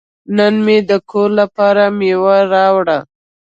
نن مې د کور لپاره میوه راوړه.